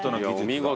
お見事。